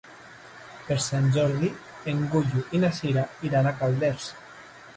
Per Sant Jordi en Guiu i na Sira iran a Calders.